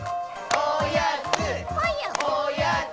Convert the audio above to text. おやつ！